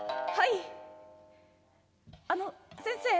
あの先生。